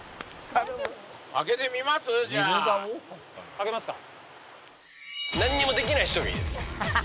開けますか。